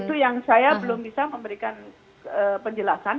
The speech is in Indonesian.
itu yang saya belum bisa memberikan penjelasan